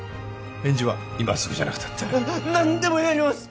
返事は今すぐじゃなくたって何でもやります